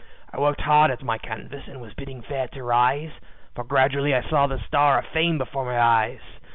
I worked hard at my canvas, and was bidding fair to rise, For gradually I saw the star of fame before my eyes.